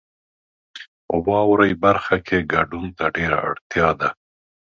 واورئ برخه کې ګډون ته ډیره اړتیا ده.